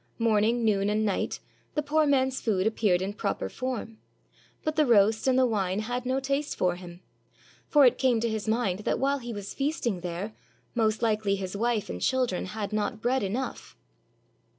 Morning, noon, and night the poor man's food appeared in proper form, but the roast and the wine had no taste for him; for it came to his mind that while he was feasting there, most likely his wife and children had not bread enough.